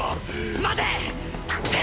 待て！！